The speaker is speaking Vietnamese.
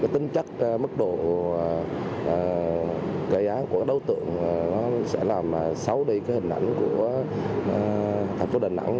tính chắc mức độ cây án của đối tượng sẽ làm xấu đi hình ảnh của thành phố đà nẵng